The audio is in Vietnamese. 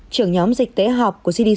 trưởng nhóm dịch tế học của cdc